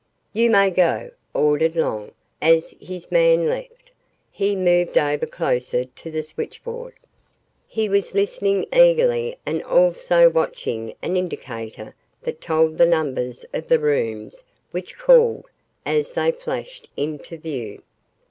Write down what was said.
"You may go," ordered Long, and, as his man left, he moved over closer to the switchboard. He was listening eagerly and also watching an indicator that told the numbers of the rooms which called, as they flashed into view.